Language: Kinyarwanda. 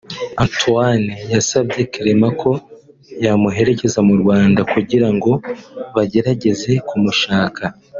Antoine yasabye Clement ko yamuherekeza mu Rwanda kugirango bagerageze kumushaka